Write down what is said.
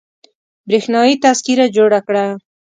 برېښنايي تذکره جوړه کړه